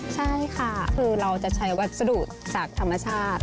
ใช่ค่ะคือเราจะใช้วัสดุจากธรรมชาติ